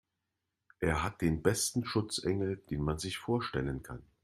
Er hat den besten Schutzengel, den man sich vorstellen kann.